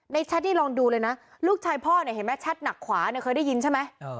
ในชัดนี้ลองดูเลยนะลูกชายพ่อเนี่ยเห็นมั้ยชัดหนักขวาเนี่ยเคยได้ยินใช่มั้ย